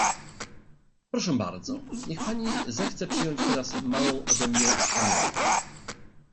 "Proszę bardzo, niech pani zechce przyjąć teraz małą ode mnie pamiątkę."